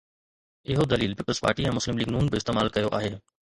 اهو دليل Peoples Party ۽ Muslim League ن به استعمال ڪيو آهي.